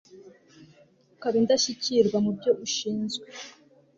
ukaba indashyikirwa mu byo ushinzwe